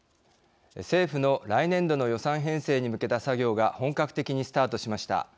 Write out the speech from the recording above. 政府の来年度の予算編成に向けた作業が本格的にスタートしました。